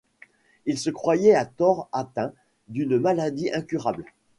Il se croyait à tort atteint d'une maladie incurable.